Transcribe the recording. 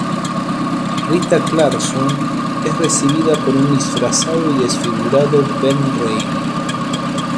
Rita Clarkson es recibida por un disfrazado y desfigurado Ben Reilly.